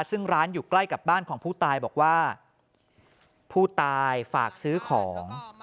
ซึ่งร้านอยู่ใกล้กับบ้านของผู้ตายบอกว่าผู้ตายฝากซื้อของ